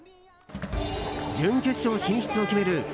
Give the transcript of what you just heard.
準決勝進出を決める